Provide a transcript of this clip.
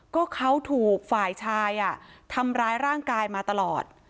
ก็เขาถูกฝ่ายชายทำร้ายร่างกายมาตลอด